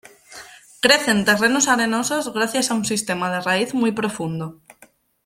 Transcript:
Crece en terrenos arenosos gracias a un sistema de raíz muy profundo.